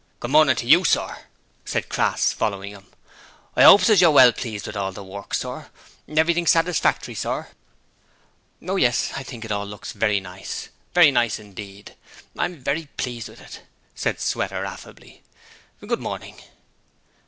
'Good morning to YOU, sir,' said Crass, following him. 'I 'opes as you're pleased with all the work, sir; everything satisfactory, sir.' 'Oh, yes. I think it looks very nice; very nice indeed; I'm very pleased with it,' said Sweater affably. 'Good morning.'